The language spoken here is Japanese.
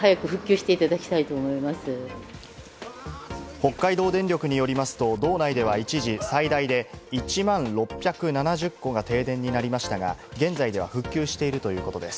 北海道電力によりますと、道内では一時最大で１万６７０戸が停電になりましたが、現在では復旧しているということです。